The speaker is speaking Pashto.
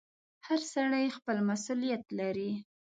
• هر سړی خپل مسؤلیت لري.